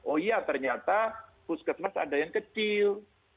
oh iya ternyata puskesmas ada yang kecil